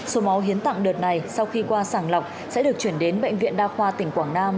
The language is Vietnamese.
số máu hiến tặng đợt này sau khi qua sàng lọc sẽ được chuyển đến bệnh viện đa khoa tỉnh quảng nam